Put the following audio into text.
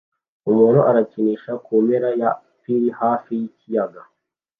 Umuntu arikinisha ku mpera ya pir hafi yikiyaga